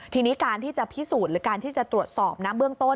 ทีนี้การที่จะพิสูจน์หรือการที่จะตรวจสอบนะเบื้องต้น